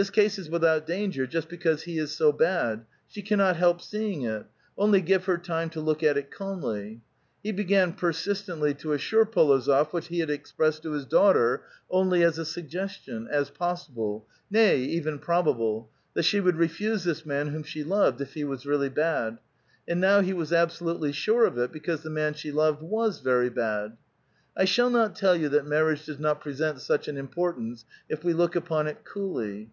This case is without danger just because he is so bad. She cannot help seeing it ; only give her time to look at it calmly." He began i)ersistently to assure P61ozof what he had ex pressed to his daughter only as a suggestion, as possible — nay, even probable — that she would refuse this man whom she loved if he was really bad ; and now he was absolutelj'' sure of it, because the man she loved was verv bad. " I shall not tell you that marriage does not present such an importance if we look upon it coolly.